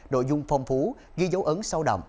đội dung phong phú ghi dấu ấn sâu đậm